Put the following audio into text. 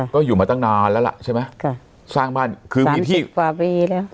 ก็อยู่มาตั้งนานแล้วล่ะใช่ไหมค่ะสร้างบ้านคือมีที่กว่าปีแล้ว